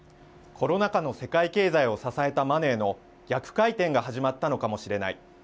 コロナ禍の世界経済を支えたマネーの逆回転が始まったのかもしれない。